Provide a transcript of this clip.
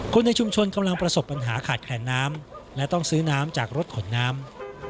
คนในชุมชนกำลังประสบปัญหาขาดแคลนน้ำและต้องซื้อน้ำจากรถขนน้ำ